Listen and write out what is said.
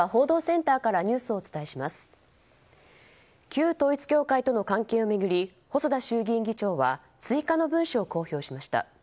旧統一教会との関係を巡り細田衆議院議長は追加の文書を公表しました。